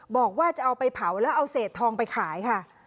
บอกว่าจะเอาไปเผาแล้วเอาเศษทองไปขายค่ะ